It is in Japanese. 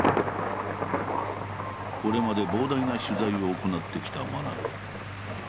これまで膨大な取材を行ってきた真鍋。